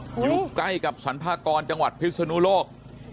อยู่ใกล้กับสรรพากรจังหวัดพิศนุโลก